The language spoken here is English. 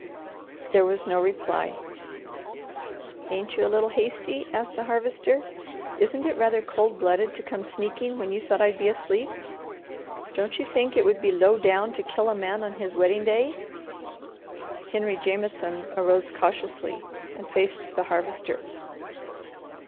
There was no reply. "Ain't you a little hasty?" asked the Harvester. "Isn't it rather cold blooded to come sneaking when you thought I'd be asleep? Don't you think it would be low down to kill a man on his wedding day?" Henry Jameson arose cautiously and faced the Harvester.